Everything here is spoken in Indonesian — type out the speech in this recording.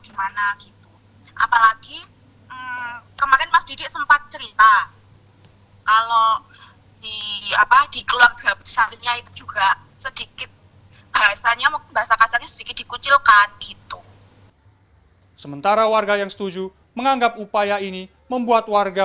tidak perlu berkecil hati dan tetap optimis tanpa perlu memperdulikan cibiran warga